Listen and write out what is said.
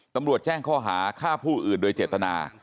ตำรวจแจ้งข้อหาฆ่าผู้อื่นโดยเจตนา